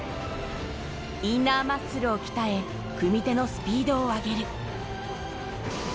インナーマッスルを鍛え、組み手のスピードを上げる。